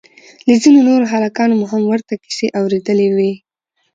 له ځينو نورو هلکانو مو هم ورته کيسې اورېدلې وې.